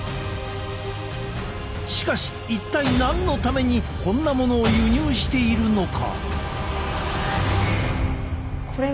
しかし一体何のためにこんなものを輸入しているのか？